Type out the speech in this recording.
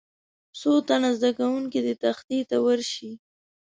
څو تنه زده کوونکي دې تختې ته ورشي.